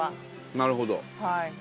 なるほど。